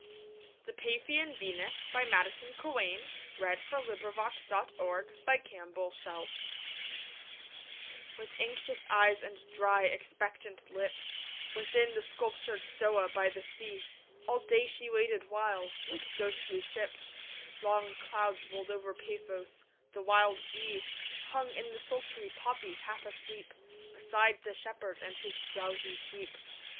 led by my murmuring harp; And I have sung thy triumph. Let me die!" THE PAPHIAN VENUS With anxious eyes and dry, expectant lips, Within the sculptured stoa by the sea, All day she waited while, like ghostly ships, Long clouds rolled over Paphos: the wild bee Hung in the sultry poppy, half asleep, Beside the shepherd and his drowsy sheep.